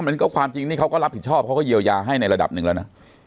มันก็ความจริงนี่เขาก็รับผิดชอบเขาก็เยียวยาให้ในระดับหนึ่งแล้วนะ